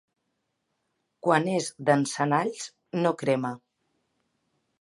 Quan és d'encenalls no crema.